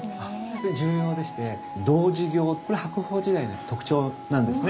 これ重要でして童子形これ白鳳時代の特徴なんですね。